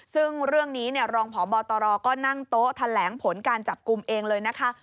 ซึ่งเรื่องนี้รองพบตรก็นั่งโต๊ะแถลงผลการจับกลุ่มเองเลยนะคะ